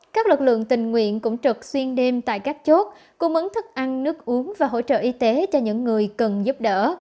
các lực lượng tình nguyện cũng trực xuyên đêm tại các chốt cung ứng thức ăn nước uống và hỗ trợ y tế cho những người cần giúp đỡ